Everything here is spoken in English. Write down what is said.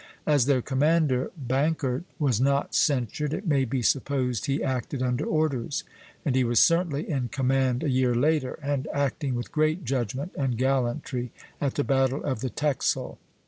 As their commander, Bankert, was not censured, it may be supposed he acted under orders; and he was certainly in command a year later, and acting with great judgment and gallantry at the battle of the Texel.